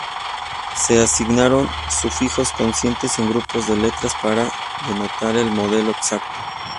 Se asignaron sufijos consistentes en grupos de letras para denotar el modelo exacto.